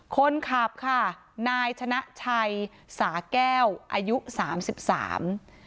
คนขับค่ะนายชนะชัยสาแก้วอายุสามสิบสาม